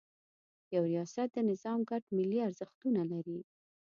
یو ریاست د نظام ګډ ملي ارزښتونه لري.